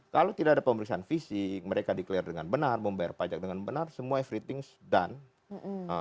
kalau tidak ada pemeriksaan fisik mereka di clear dengan benar membayar pajak dengan benar semua everything done